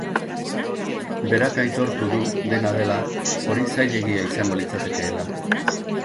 Berak aitortu du, dena dela, hori zailegia izango litzatekeela.